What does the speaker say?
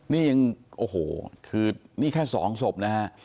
นี่ยังโอ้โหคือนี่แค่๒ศพนะฮะ